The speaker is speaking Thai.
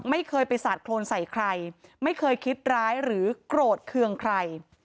ไม่เคยไปสาดโครนใส่ใครไม่เคยคิดร้ายหรือโกรธเคืองใคร